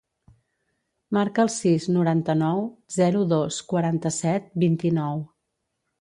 Marca el sis, noranta-nou, zero, dos, quaranta-set, vint-i-nou.